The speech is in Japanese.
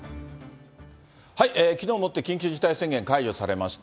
きのうをもって緊急事態宣言、解除されました。